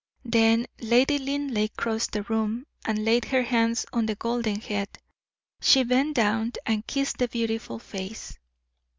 Then Lady Linleigh crossed the room, and laid her hands on the golden head. She bent down and kissed the beautiful face.